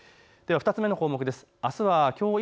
では２つ目の項目です。